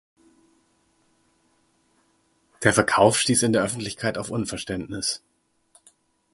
Der Verkauf stieß in der Öffentlichkeit auf Unverständnis.